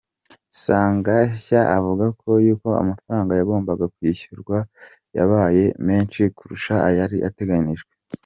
Sagashya akavuga yuko amafaranga yagombaga kwishyurwa yabaye menshi kurusha ayari ateganijwe.